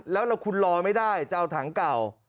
แล้วคุณรอไม่ได้จะเอาถังเก่า